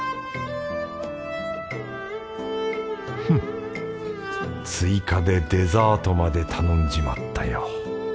フッ追加でデザートまで頼んじまったよ。